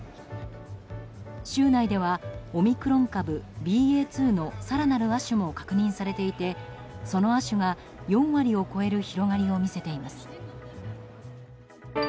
州内ではオミクロン株ＢＡ．２の更なる亜種も確認されていて、その亜種が４割を超える広がりを見せています。